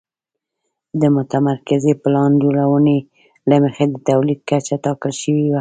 د متمرکزې پلان جوړونې له مخې د تولید کچه ټاکل شوې وه